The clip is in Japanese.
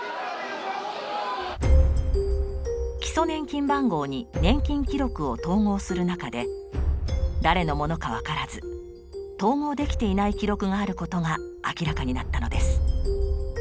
基礎年金番号に年金記録を統合する中で誰のものか分からず統合できていない記録があることが明らかになったのです。